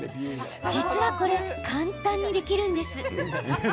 実は、これ簡単にできるんです。